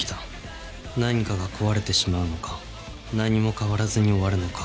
何かが壊れてしまうのか何も変わらずに終わるのか